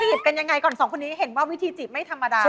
ที่หิบกันยังไงก่อน๒คนนี้เห็นว่าวิธีจีบไม่ธรรมดาเลย